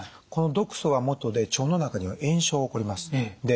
この毒素がもとで腸の中には炎症が起こります。